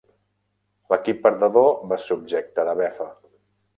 L"equip perdedor va ser objecte de befa.